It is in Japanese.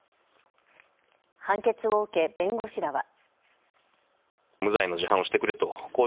判決を受け、弁護士らは。